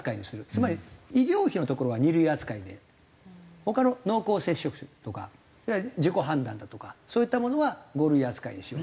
つまり医療費のところは２類扱いで他の濃厚接触者とか自己判断だとかそういったものは５類扱いにしようと。